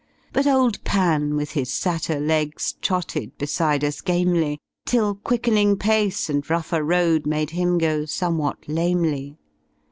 But old Pan with his satyr legs Trotted beside us gamely. Till quickening pace and rougher road Made him go somewhat lamely.